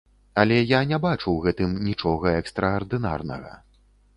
Але я не бачу ў гэтым нічога экстраардынарнага.